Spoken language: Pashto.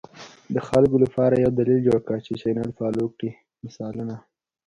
د خلکو لپاره یو دلیل جوړ کړه چې چینل فالو کړي، مثالونه: